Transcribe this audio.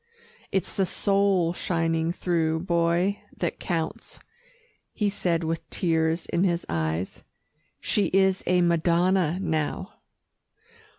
"It's the soul shining through, Boy, that counts," he said with tears in his eyes. "She is a madonna now."